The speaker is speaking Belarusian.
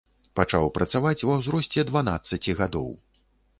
Пачаў працаваць ва ўзросце дванаццаці гадоў.